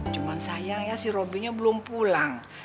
cuma sayang ya si robinya belum pulang